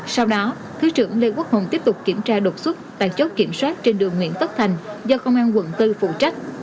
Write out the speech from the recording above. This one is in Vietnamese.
sau đó thứ trưởng lê quốc hùng tiếp tục kiểm tra đột xuất tại chốt kiểm soát trên đường nguyễn tất thành do công an quận bốn phụ trách